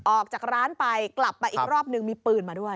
ออกจากร้านไปกลับมาอีกรอบนึงมีปืนมาด้วย